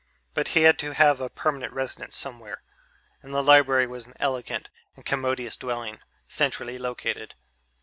But he had to have a permanent residence somewhere, and the library was an elegant and commodious dwelling, centrally located.